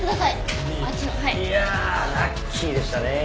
いやラッキーでしたね。